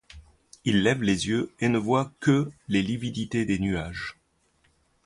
Il lève les yeux et ne voit que les lividités des nuages.